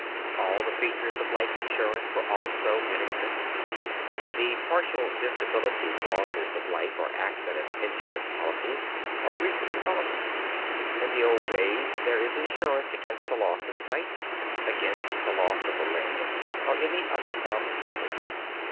All the features of life insurance also were in existence. The partial disability clauses of life or accident insurance policies are recent developments. In the old days there is insurance against the loss of sight, against the loss of a limb, or any other form of crippling.